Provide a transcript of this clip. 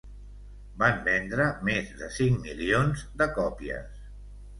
Van vendre més de cinc milions de còpies.